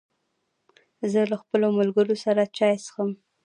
زه له خپلو ملګرو سره چای څښم.